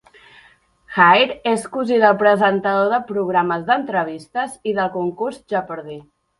Haid és cosí del presentador de programes d'entrevistes i del concurs Jeopardy!